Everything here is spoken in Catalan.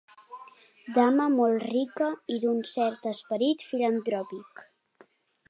Dama molt rica i d'un cert esperit filantròpic.